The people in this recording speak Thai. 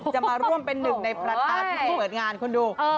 จะมาร่วมเป็นหนึ่งในประธานพิธีเปิดงานคุณดู